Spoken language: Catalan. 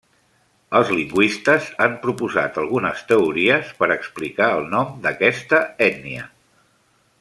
Els lingüistes han proposat algunes teories per explicar el nom d'aquesta ètnia.